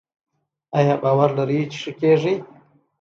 ایا باور لرئ چې ښه کیږئ؟